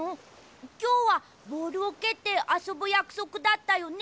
きょうはボールをけってあそぶやくそくだったよね。